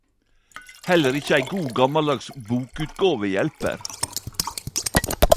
Heller ikkje ei god gammaldags bokutgåve hjelper.